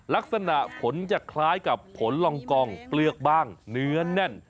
ลักษณะผลจะคล้ายกับผลลองกองเปลือกบ้างเนื้อแน่น